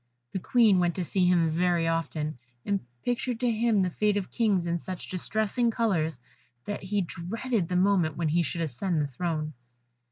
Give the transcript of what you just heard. The Queen went to see him very often, and pictured to him the fate of kings in such distressing colours, that he dreaded the moment when he should ascend the throne.